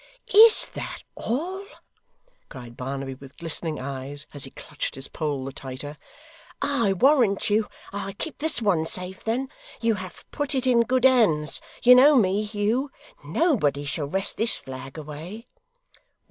'Is that all?' cried Barnaby with glistening eyes, as he clutched his pole the tighter; 'I warrant you I keep this one safe, then. You have put it in good hands. You know me, Hugh. Nobody shall wrest this flag away.